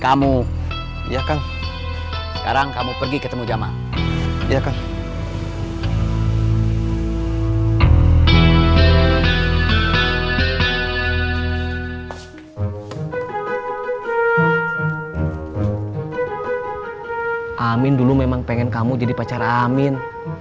amin dulu memang pengen kamu jadi pacar amin